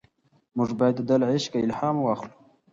موږ باید د ده له عشقه الهام واخلو.